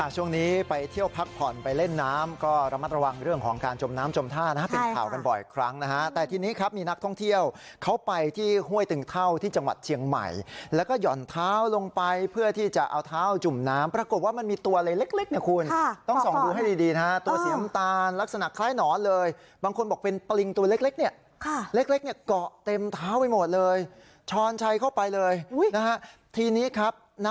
ช่วงนี้ไปเที่ยวพักผ่อนไปเล่นน้ำก็ระมัดระวังเรื่องของการจมน้ำจมท่านะฮะเป็นข่าวกันบ่อยครั้งนะฮะแต่ทีนี้ครับมีนักท่องเที่ยวเขาไปที่ห้วยตึงเท่าที่จังหวัดเชียงใหม่แล้วก็หย่อนเท้าลงไปเพื่อที่จะเอาเท้าจุ่มน้ำปรากฏว่ามันมีตัวอะไรเล็กเนี่ยคุณต้องส่องดูให้ดีนะฮะตัวเสียมตาลลักษณะ